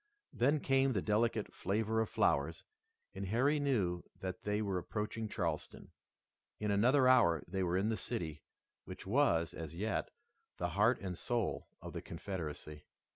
Then came the delicate flavor of flowers and Harry knew that they were approaching Charleston. In another hour they were in the city which was, as yet, the heart and soul of the Confederacy.